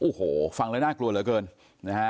โอ้โหฟังเลยน่ากลัวเหลือเกิน